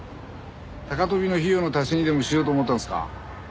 高飛びの費用の足しにでもしようと思ったんですか？